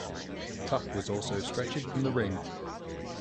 Tuck was also stretchered from the ring.